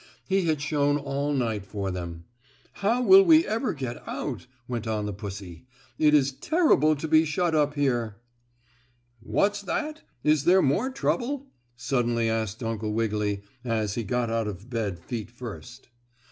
He had shone all night for them. "How will we ever get out?" went on the pussy. "It is terrible to be shut up here." "What's that? Is there more trouble?" suddenly asked Uncle Wiggily, as he got out of bed feet first.